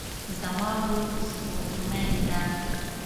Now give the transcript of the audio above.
زما ورور سپورټ مین ده